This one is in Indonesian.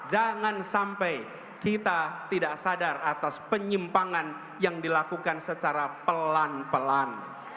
jangan sampai kita tidak sadar atas penyimpangan yang dilakukan secara pelan pelan